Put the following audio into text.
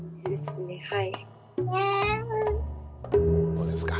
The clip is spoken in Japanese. どうですか？